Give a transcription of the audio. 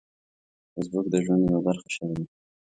فېسبوک د ژوند یوه برخه شوې ده